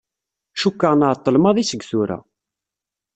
Cukkeɣ nɛeṭṭel maḍi seg tura.